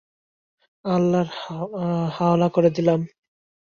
আল্লার হাওলা করে দিলাম।